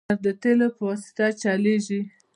موټر د تیلو په واسطه چلېږي.